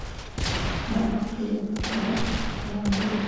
دا دښتې له اعتقاداتو سره تړاو لري.